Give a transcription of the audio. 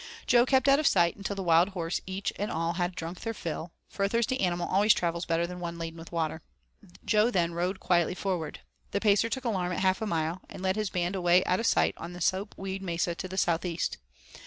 Jo kept out of sight until the wild horses each and all had drunk their fill, for a thirsty animal always travels better than one laden with water. Jo then rode quietly forward. The Pacer took alarm at half a mile, and led his band away out of sight on the soapweed mesa to the southeast.